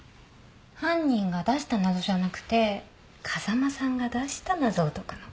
犯人が出した謎じゃなくて風間さんが出した謎を解くの。